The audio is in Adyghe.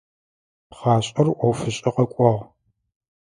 Пхъашӏэр ӏофышӏэ къэкӏуагъ.